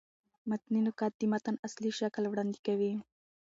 متني نقد د متن اصلي شکل وړاندي کوي.